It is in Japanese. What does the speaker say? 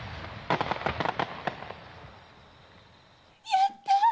やった！